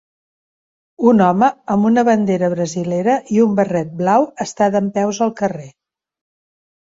Un home amb una bandera brasilera i un barret blau està dempeus al carrer.